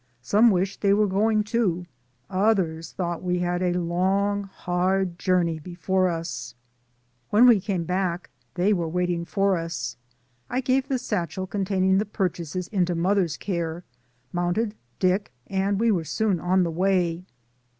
Some wished they were going, too ; others thought we had a long, hard jour ney before us. 20 DAYS ON THE ROAD. When we came back, they were waiting for us. I gave the satchel containing the purchases into mother's care, mounted Dick, and we were soon on the way.